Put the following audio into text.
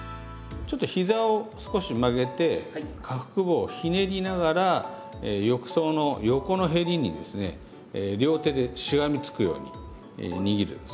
ちょっとひざを少し曲げて下腹部をひねりながら浴槽の横のへりにですね両手でしがみつくように握る。